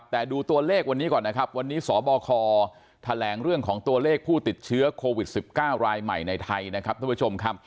แต่ดูตัวเลขวันนี้ก่อนวันนี้สบคแถลงเรื่องของตัวเลขผู้ติดเชื้อโควิด๑๙รายใหม่ในไทย